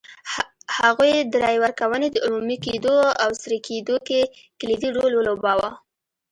هغوی د رایې ورکونې د عمومي کېدو او سري کېدو کې کلیدي رول ولوباوه.